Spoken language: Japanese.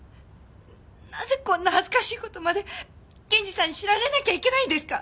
なぜこんな恥ずかしい事まで検事さんに知られなきゃいけないんですか！？